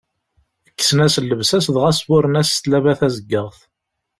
Kksen-as llebsa-s dɣa sburren-as s tlaba tazeggaɣt.